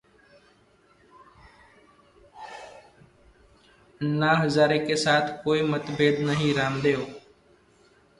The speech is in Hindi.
अन्ना हजारे के साथ कोई मतभेद नहीं: रामदेव